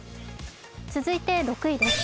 続いて６位です。